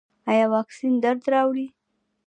ایا واکسین درد راوړي؟